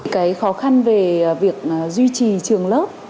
cái khó khăn về việc duy trì trường lớp